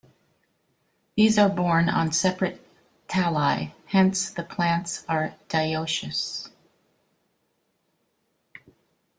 These are borne on separate thalli; hence, the plants are dioicous.